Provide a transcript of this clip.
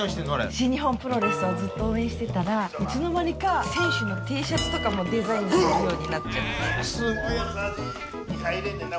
新日本プロレスをずっと応援してたらいつの間にか選手のＴシャツとかもデザインするようになっちゃって大さじ２杯入れんねんな